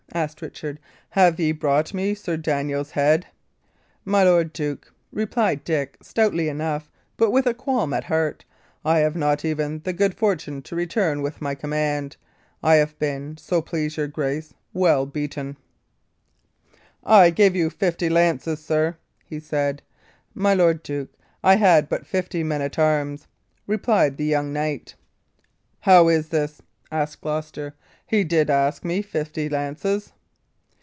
asked Richard. "Have ye brought me Sir Daniel's head?" "My lord duke," replied Dick, stoutly enough, but with a qualm at heart, "I have not even the good fortune to return with my command. I have been, so please your grace, well beaten." Gloucester looked upon him with a formidable frown. "I gave you fifty lances, sir," he said. "My lord duke, I had but fifty men at arms," replied the young knight. "How is this?" said Gloucester. "He did ask me fifty lances."